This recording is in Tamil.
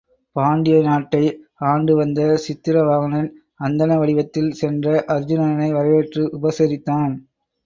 பாண்டிய நாட்டை ஆண்டு வந்த சித்திரவாகனன் அந்தண வடிவத்தில் சென்ற அருச்சுனனை வரவேற்று உபசரித்தான்.